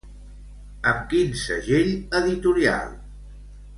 Amb quin segell editorial?